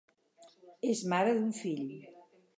És mare d'un fill.